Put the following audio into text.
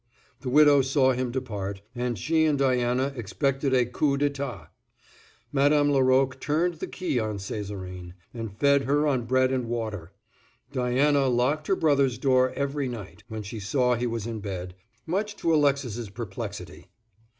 The widow saw him depart, and she and Diana expected a coup d'état. Madame Laroque turned the key on Césarine, and fed her on bread and water; Diana locked her brother's door every night, when she knew he was in bed, much to Alexis's perplexity.